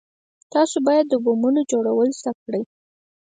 تاسې بايد د بمونو جوړول زده كئ.